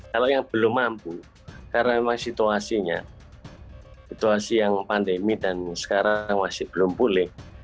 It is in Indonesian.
kalau yang belum mampu karena memang situasinya situasi yang pandemi dan sekarang masih belum pulih